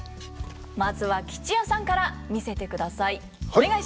まずは吉弥さんから見せてください。